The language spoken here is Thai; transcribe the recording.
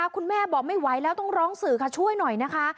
คุณแม่บอกไม่ไหวแล้วต้องร้องสื่อค่ะช่วยหน่อยนะคะ